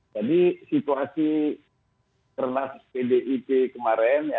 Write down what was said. jadi situasi kerenas pdip kemarin